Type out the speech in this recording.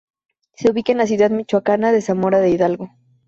Se ubica en la ciudad michoacana de Zamora de Hidalgo.